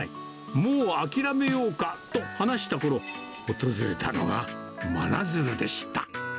もう諦めようかと話したころ、訪れたのが真鶴でした。